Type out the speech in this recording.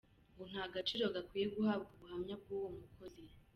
Ngo nta gaciro gakwiye guhabwa ubuhamya bw’uwo mukozi.